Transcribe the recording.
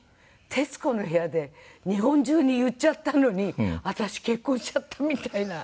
『徹子の部屋』で日本中に言っちゃったのに私結婚しちゃったみたいな。